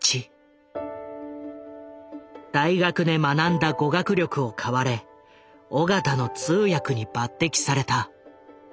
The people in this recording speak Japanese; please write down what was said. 大学で学んだ語学力を買われ緒方の通訳に抜てきされた。